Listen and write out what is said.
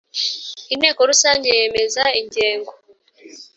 Inteko Rusange yemeza ingengo